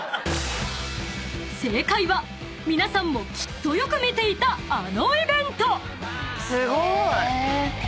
［正解は皆さんもきっとよく見ていたあのイベント］